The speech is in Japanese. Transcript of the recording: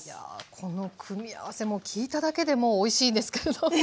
この組み合わせも聞いただけでもうおいしいですけれど。